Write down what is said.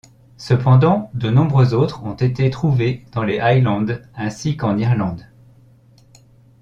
Cependant de nombreux autres ont été trouvés dans les Highlands, ainsi qu'en Irlande.